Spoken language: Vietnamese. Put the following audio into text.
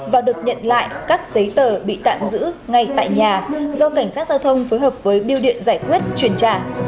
và được nhận lại các giấy tờ bị tạm giữ ngay tại nhà do cảnh sát giao thông phối hợp với biêu điện giải quyết chuyển trả